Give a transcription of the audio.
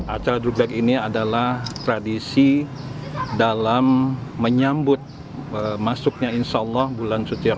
acara dubeg ini adalah tradisi dalam menyambut masuknya insya allah bulan suci ramadan